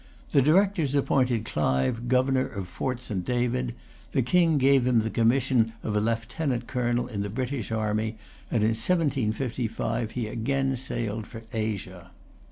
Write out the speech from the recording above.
The Directors appointed Clive governor of Fort St. David. The King gave him the commission of a lieutenant colonel in the British army, and in 1755 he again sailed for Asia.